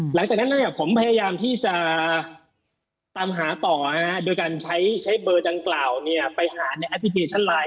หลังจากนั้นผมพยายามที่จะตามหาต่อโดยการใช้เบอร์ดังกล่าวไปหาในแอปพลิเคชันไลน